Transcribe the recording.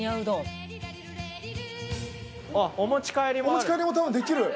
お持ち帰りもたぶんできる。